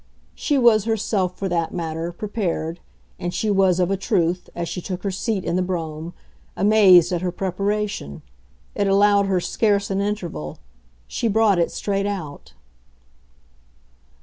She was herself, for that matter, prepared, and she was, of a truth, as she took her seat in the brougham, amazed at her preparation. It allowed her scarce an interval; she brought it straight out.